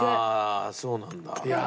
そうなんだ。